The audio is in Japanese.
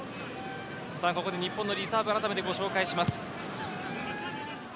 ここで日本のリザーブをあらためてご紹介します。